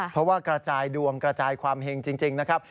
เพราะว่ากระจายดวงกระจายความเห็งจริงนะครับ